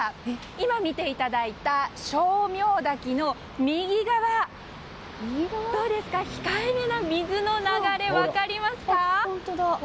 今、見ていただいた称名滝の右側控えめな水の流れ分かりますか？